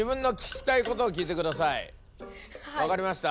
わかりました？